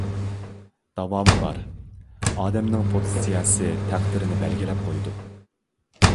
داۋامى بار. ئادەمنىڭ پوزىتسىيەسى تەقدىرىنى بەلگىلەپ قويىدۇ.